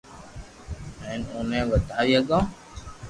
ھين او ني ودھاوي ھگو